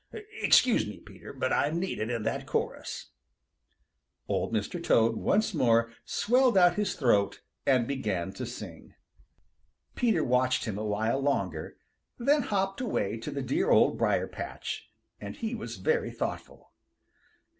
Excuse me, Peter, but I'm needed in that chorus." Old Mr. Toad once more swelled out his throat and began to sing. Peter watched him a while longer, then hopped away to the dear Old Briarpatch, and he was very thoughtful.